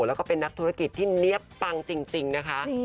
แล้วก็เป็นนักธุรกิจที่เนี๊ยบปังจริงนะคะ